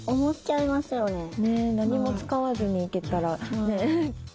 何も使わずにいけたら。